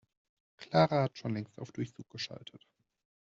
Clara hat schon längst auf Durchzug geschaltet.